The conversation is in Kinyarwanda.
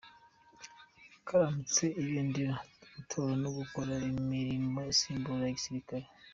Kuramutsa ibendera, gutora no gukora imirimo isimbura iya gisirikare.